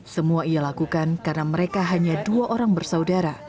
semua ia lakukan karena mereka hanya dua orang bersaudara